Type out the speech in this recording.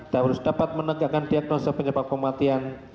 dan harus dapat menegakkan diagnosa penyebab kematian